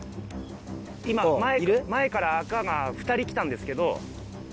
今前から赤が２人来たんですけど。